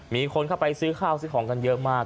มีคนเข้าไปซื้อข้าวซื้อของกันเยอะมาก